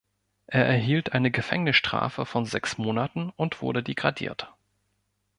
Er erhielt eine Gefängnisstrafe von sechs Monaten und wurde degradiert.